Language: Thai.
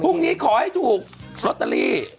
พรุ่งนี้ขอให้ถูกรอตเตอรี่